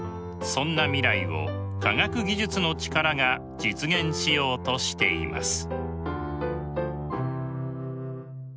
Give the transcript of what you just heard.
そんな未来を科学技術の力が実現しようとしています。